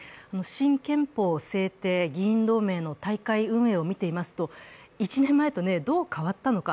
新憲法制定議員同盟の大会運営を見ていますと、１年前とどう変わったのか。